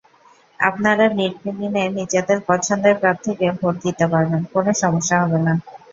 আপনারা নির্বিঘ্নে নিজেদের পছন্দের প্রার্থীকে ভোট দিতে পারবেন, কোনো সমস্যা হবে না।